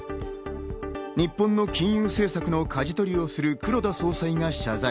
日本の金融政策のかじ取りをする黒田総裁が謝罪。